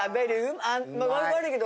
悪いけど。